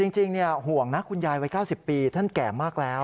จริงห่วงนะคุณยายวัย๙๐ปีท่านแก่มากแล้ว